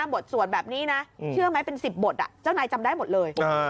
บทสวดแบบนี้นะเชื่อไหมเป็น๑๐บทเจ้านายจำได้หมดเลย